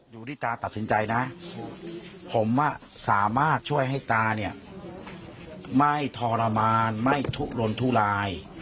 อยู่ที่ตาตัดสินใจนะผมสามารถช่วยให้ตาเนี่ยไม่ทรมานไม่ทุรนทุลาย